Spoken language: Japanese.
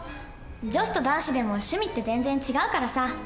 女子と男子でも趣味って全然違うからさ。